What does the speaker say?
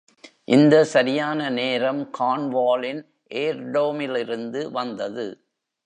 இந்த சரியான நேரம் கார்ன்வாலின் ஏர்ல்டோமிலிருந்து வந்தது.